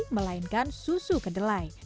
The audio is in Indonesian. melainkan susu kedelai